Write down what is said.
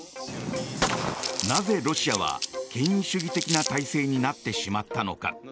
なぜロシアは権威主義的な体制になってしまったのか。